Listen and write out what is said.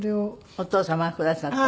お父様がくださった。